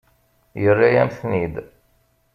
Yerra-yam-ten-id.